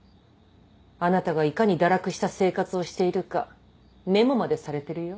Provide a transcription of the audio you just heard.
あなたがいかに堕落した生活をしているかメモまでされてるよ？